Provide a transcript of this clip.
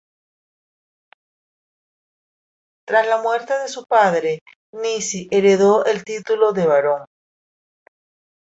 Tras la muerte de su padre, Nishi heredó el título de barón.